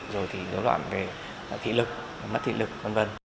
rồi thì dối loạn về thị lực mất thị lực v v